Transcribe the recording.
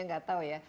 enggak tahu ya